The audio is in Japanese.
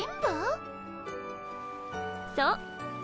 そう。